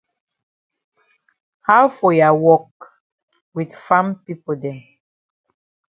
How for ya wok wit farm pipo dem?